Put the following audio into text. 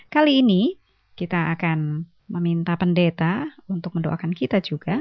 kali ini kita akan meminta pendeta untuk mendoakan kita juga